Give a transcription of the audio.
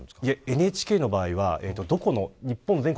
ＮＨＫの場合は日本全国